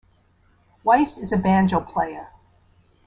Weiss is a banjo player.